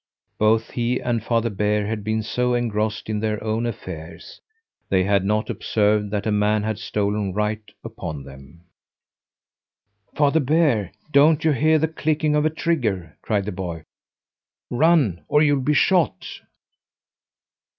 Both he and Father Bear had been so engrossed in their own affairs they had not observed that a man had stolen right upon them. "Father Bear! Don't you hear the clicking of a trigger?" cried the boy. "Run, or you'll be shot!"